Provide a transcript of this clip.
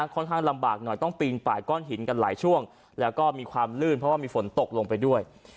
ค่อนข้างลำบากหน่อยต้องปีนป่ายก้อนหินกันหลายช่วงแล้วก็มีความลื่นเพราะว่ามีฝนตกลงไปด้วย